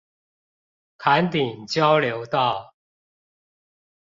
崁頂交流道